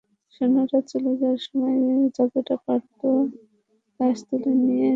সৈন্যরা চলে যাওয়ার সময় যতটা পারত লাশ তুলে নিয়ে যেত তাদের ট্রাকে।